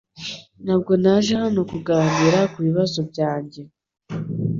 Ntabwo naje hano kuganira kubibazo byanjye.